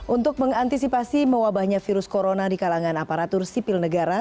untuk mengantisipasi mewabahnya virus corona di kalangan aparatur sipil negara